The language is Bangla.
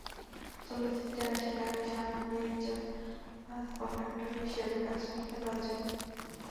চলচ্চিত্রে আসার আগে সামান্য একজন বাস কনডাক্টর হিসেবে কাজ করতেন রজনী।